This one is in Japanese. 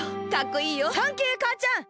サンキューかあちゃん！